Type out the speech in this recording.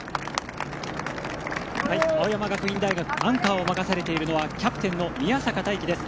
青山学院大学アンカーを任されているのはキャプテンの宮坂大器です。